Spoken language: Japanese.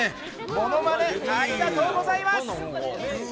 ものまねありがとうございます。